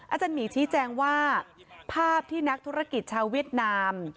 อาจารย์หมีชี้แจงว่าภาพที่นักธุรกิจชาวเวียดนาม